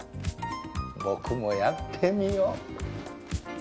僕もやってみよ！